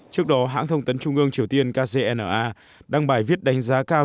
trước đó hãng thông tấn trung ương triều tiên kcna đăng bài viết đánh giá cao